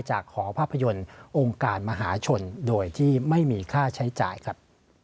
หอภาพยนตร์องค์การมหาชนโดยที่ไม่มีค่าใช้จ่ายครับ